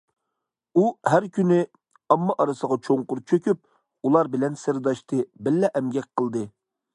ئۇ ھەر كۈنى ئامما ئارىسىغا چوڭقۇر چۆكۈپ، ئۇلار بىلەن سىرداشتى، بىللە ئەمگەك قىلدى.